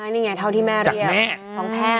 นี่ไงเท่าที่แม่เรียก